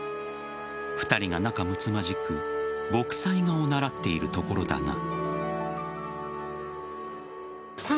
２人が仲むつまじく墨彩画を習っているところだが。